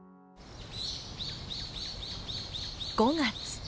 ５月。